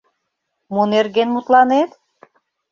Мо нерген мутланет?